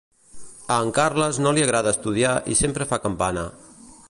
A en Carles no li agrada estudiar i sempre fa campana: